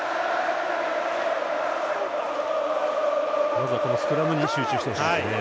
まずは、このスクラムに集中してほしいですね。